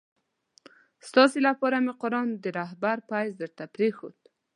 ستاسي لپاره مي قرآن د رهبر په حیث درته پرېښود.